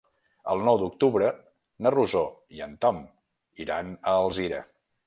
El nou d'octubre na Rosó i en Tom iran a Alzira.